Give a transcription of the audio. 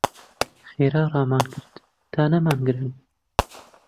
خێرا ڕامان کرد تا نەمانگرن.